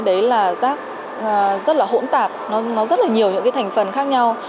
đấy là rác rất là hỗn tạp nó rất là nhiều những cái thành phần khác nhau